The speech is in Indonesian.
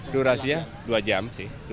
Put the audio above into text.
durasinya dua jam sih